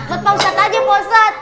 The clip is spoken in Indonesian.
buat pak ustadz aja pak ustadz